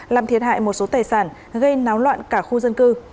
làm thiệt hại một số tài sản gây náo loạn cả khu dân cư